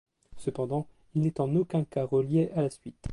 Cependant, il n'est en aucun cas relié à la suite.